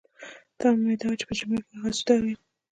تمه مې دا وه چې په ژمي اسوده یم.